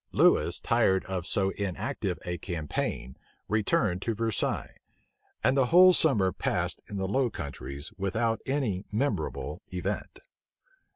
Lewis, tired of so inactive a campaign, returned to Versailles; and the whole summer passed in the Low Countries without any memorable event.